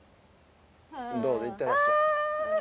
どうぞ行ってらっしゃい。